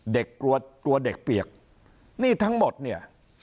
เด็กตัวตัวเด็กเปียกนี่ทั้งหมดเนี้ย